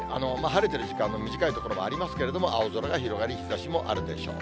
晴れてる時間も短い所もありますけれども、青空が広がり、日ざしもあるでしょう。